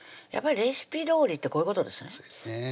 やっぱりレシピどおりってこういうことですね